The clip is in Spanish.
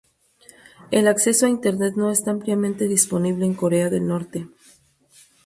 El acceso a Internet no está ampliamente disponible en Corea del Norte.